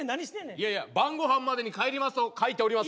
いやいや「晩ごはんまでに帰ります」と書いております。